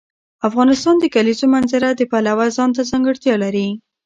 افغانستان د د کلیزو منظره د پلوه ځانته ځانګړتیا لري.